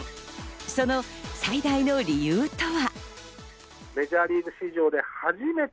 その最大の理由とは。